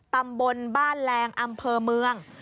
ตำบลบ้านแรงอำเภอเมือง